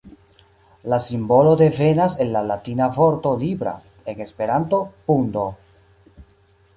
La simbolo devenas el la latina vorto "libra", en Esperanto "pundo".